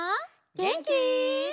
げんき？